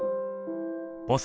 ボス